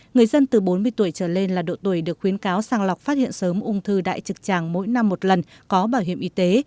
người dân từ bốn mươi tuổi trở lên là độ tuổi được khuyến cáo sàng lọc phát hiện sớm ung thư đại trực tràng mỗi năm một lần có bảo hiểm y tế